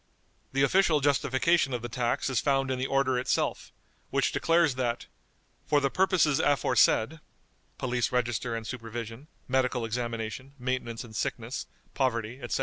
The official justification of the tax is found in the order itself, which declares that, "for the purposes aforesaid" (police register and supervision, medical examination, maintenance in sickness, poverty, etc.)